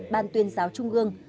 ban tuyên giáo trung hương